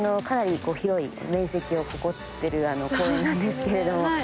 かなり広い面積を誇ってる公園なんですけれども。